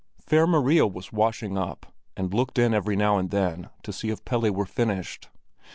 Fair Maria was washing up, and looked in every now and then to see if Pelle were finished.